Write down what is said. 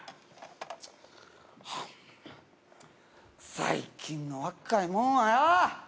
最近の若いもんはよ！